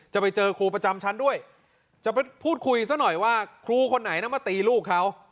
จะไปเจอครูประจำชั้นด้วยจะไปพูดคุยซะหน่อยว่าครูคนไหนนะมาตีลูกเขา